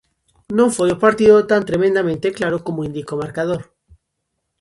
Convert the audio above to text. Non foi o partido tan tremendamente claro como indica o marcador.